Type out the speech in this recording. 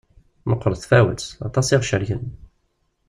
Meqqert tfawet, aṭas i aɣ-cergen.